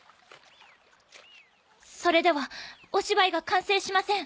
それではお芝居が完成しません。